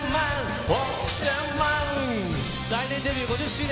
来年デビュー５０周年。